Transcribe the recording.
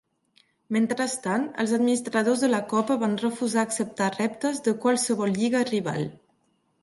Mentrestant, els administradors de la Copa van refusar acceptar reptes de qualsevol lliga rival.